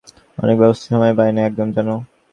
আমি অনেক ব্যস্ত, সময়ই পাই না একদম, জানো?